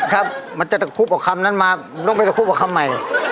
ถ้ามันจะตะคุบกับคำนั้นมามันต้องไปตะคุบกับคำใหม่